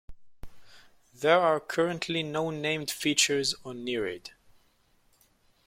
There are currently no named features on Nereid.